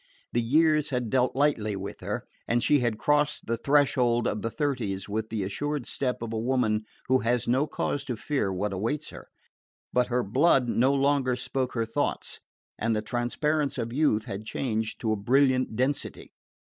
The years had dealt lightly with her, and she had crossed the threshold of the thirties with the assured step of a woman who has no cause to fear what awaits her. But her blood no longer spoke her thoughts, and the transparence of youth had changed to a brilliant density.